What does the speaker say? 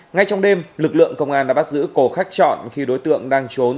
ngay trong đêm lực lượng công an đã bắt giữ cổ khắc trọn khi đối tượng đang trốn